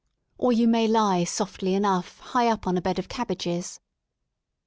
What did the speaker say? Or you may lie softly enough high up on a bed of cabbages.